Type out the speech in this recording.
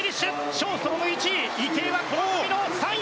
ショーストロムが１位池江はこの組の３位。